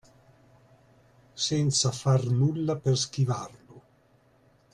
Senza far nulla per schivarlo.